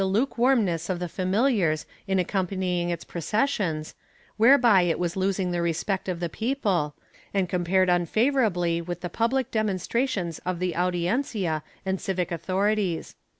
R, 128. VOL. Ill 15 226 ^^^ AUTO BE FE [Book VII warmness of the familiars in accompanying its processions, whereby it was losing the respect of the people, and compared unfavorably with the public demonstrations of the Audiencia and civic authori ties.